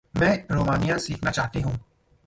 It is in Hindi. मैं रोमानियाई सीखना चाहती हूँ।